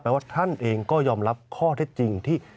ว่าท่านเองก็ยอมรับข้อเท็จจริงที่